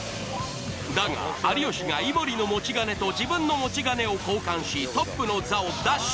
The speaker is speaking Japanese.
だが有吉が井森の持ち金と自分の持ち金を交換しトップの座を奪取。